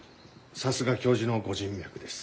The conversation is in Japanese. さすが教授のご人脈です。